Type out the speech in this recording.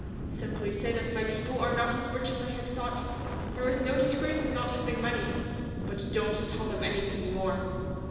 Simply say that my people are not rich as I had thought; there is no disgrace in not having money. _But don't tell them anything more.